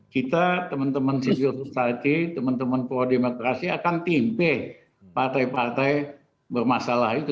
kita teman teman civil society teman teman pro demokrasi akan timbe partai partai bermasalah itu